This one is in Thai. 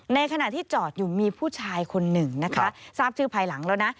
ในขณะที่จอดอยู่มีผู้ชายคนหนึ่งนะคะทราบชื่อภายหลังแล้วนะ